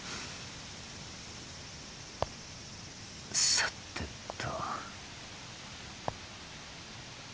さてと。